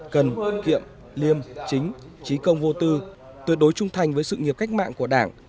cần kiệm liêm chính trí công vô tư tuyệt đối trung thành với sự nghiệp cách mạng của đảng